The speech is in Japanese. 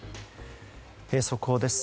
速報です。